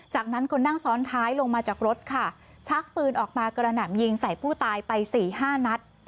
จากนั้นคนนั่งซ้อนท้ายลงมาจากรถค่ะชักปืนออกมากระหน่ำยิงใส่ผู้ตายไปสี่ห้านัด